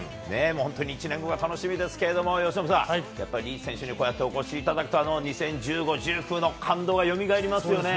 本当に１年後が楽しみですけど、由伸さん、やっぱりリーチ選手にこうやってお越しいただくと、２０１５、１９の感動がよみがえりますよね。